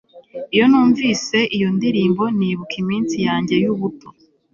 iyo numvise iyo ndirimbo, nibuka iminsi yanjye y'ubuto